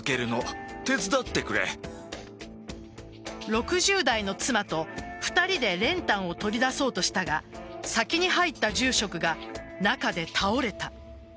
６０代の妻と２人で練炭を取り出そうとしたが先に入った住職が中で倒れた。